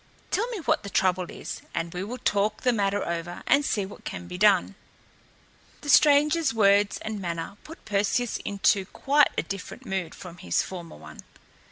Tell me what the trouble is and we will talk the matter over and see what can be done." The stranger's words and manner put Perseus into quite a different mood from his former one.